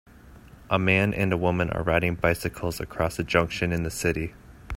A man and woman are riding bicycles across a junction in the city.